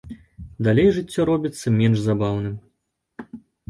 Далей жыццё робіцца менш забаўным.